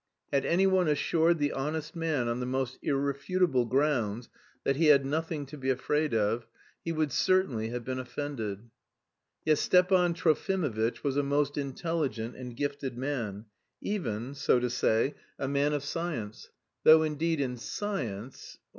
Had anyone assured the honest man on the most irrefutable grounds that he had nothing to be afraid of, he would certainly have been offended. Yet Stepan Trofimovitch was a most intelligent and gifted man, even, so to say, a man of science, though indeed, in science...